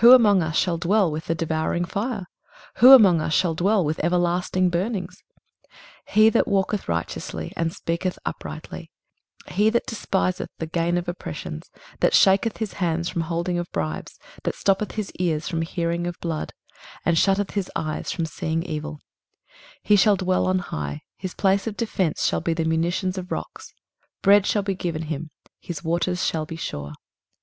Who among us shall dwell with the devouring fire? who among us shall dwell with everlasting burnings? 23:033:015 He that walketh righteously, and speaketh uprightly; he that despiseth the gain of oppressions, that shaketh his hands from holding of bribes, that stoppeth his ears from hearing of blood, and shutteth his eyes from seeing evil; 23:033:016 He shall dwell on high: his place of defence shall be the munitions of rocks: bread shall be given him; his waters shall be sure.